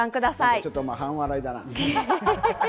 ちょっとお前、半笑いだな。